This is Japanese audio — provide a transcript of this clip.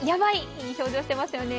いい表情をしていますよね。